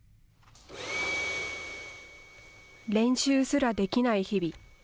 練習すらできない日々。